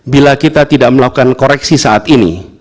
bila kita tidak melakukan koreksi saat ini